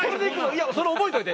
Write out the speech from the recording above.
いやそれ覚えといて。